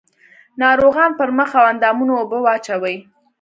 ناروغان پر مخ او اندامونو اوبه واچوي.